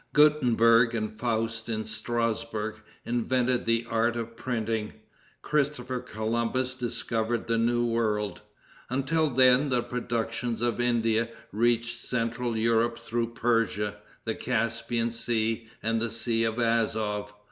Gutenberg and Faust in Strasbourg invented the art of printing. Christopher Columbus discovered the New World. Until then the productions of India reached central Europe through Persia, the Caspian Sea and the Sea of Azof.